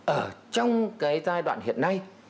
ở trong cái giai đoạn hiện nay